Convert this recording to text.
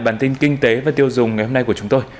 bản tin kinh tế và tiêu dùng ngày hôm nay của chúng tôi